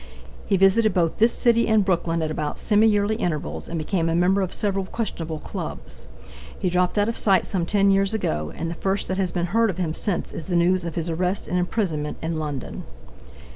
He visited both this city and Brooklyn at about semi yearly intervals and became a member of several questionable clubs. He dropped out of sight some 10 years ago, and the first that has been heard of him since is the news of his arrest and imprisonment in London.